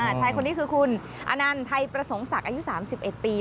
ชายคนนี้คือคุณอนันต์ไทยประสงค์ศักดิ์อายุ๓๑ปี